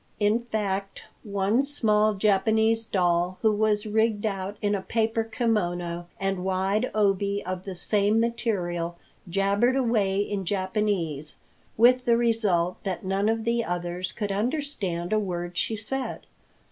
In fact, one small Japanese doll who was rigged out in a paper kimono and wide obi of the same material, jabbered away in Japanese, with the result that none of the others could understand a word she said.